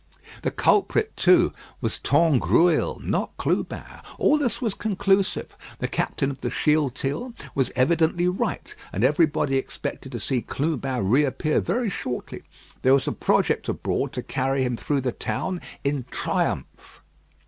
The culprit, too, was Tangrouille, not Clubin. All this was conclusive. The captain of the Shealtiel was evidently right, and everybody expected to see Clubin reappear very shortly. There was a project abroad to carry him through the town in triumph.